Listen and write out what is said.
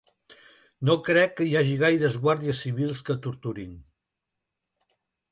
No crec que hi hagi gaires guàrdies civils que torturin.